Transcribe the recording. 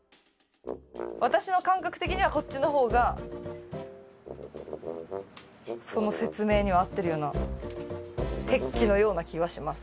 私の感覚的にはこっちの方がその説明には合ってるような適期のような気はします。